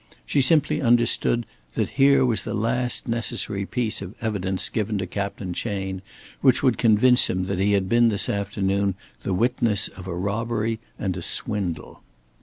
She simply understood that here was the last necessary piece of evidence given to Captain Chayne which would convince him that he had been this afternoon the witness of a robbery and swindle.